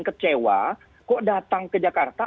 kecewa kok datang ke jakarta